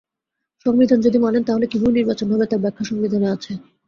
সংবিধান যদি মানেন তাহলে কীভাবে নির্বাচন হবে তার ব্যাখ্যা সংবিধানে আছে।